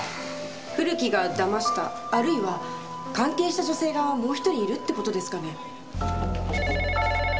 古木が騙したあるいは関係した女性がもう１人いるって事ですかね？